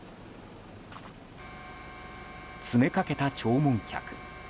詰めかけた弔問客。